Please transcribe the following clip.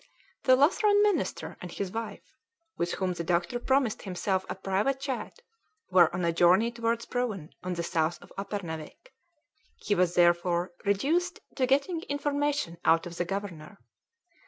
The Lutheran minister and his wife, with whom the doctor promised himself a private chat, were on a journey towards Proven on the south of Uppernawik; he was therefore reduced to getting information out of the governor.